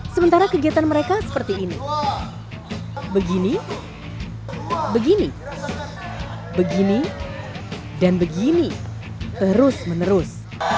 sementara kegiatan mereka seperti ini begini begini dan begini terus menerus